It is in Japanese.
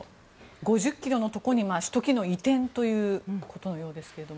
５０ｋｍのところに首都機能を移転ということのようですが。